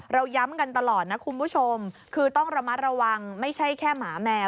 เราย้ำกันตลอดนะคุณผู้ชมคือต้องระมัดระวังไม่ใช่แค่หมาแมว